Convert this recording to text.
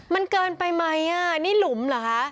มันเกินไปไหมอ่ะนี่หลุมเหรอคะ